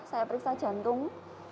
saya periksa jantung